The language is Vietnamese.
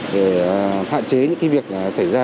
để hạn chế những việc xảy ra